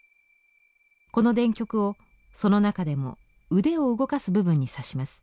この電極をその中でも腕を動かす部分に刺します。